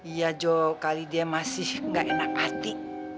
iya jo kali dia masih ga enak hati